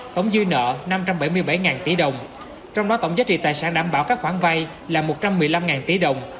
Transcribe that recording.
tổng dư nợ năm trăm bảy mươi bảy tỷ đồng trong đó tổng giá trị tài sản đảm bảo các khoản vay là một trăm một mươi năm tỷ đồng